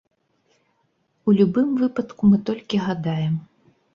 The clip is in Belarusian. У любым выпадку, мы толькі гадаем.